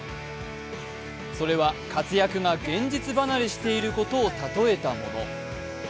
それは活躍が現実離れしていることを例えたもの。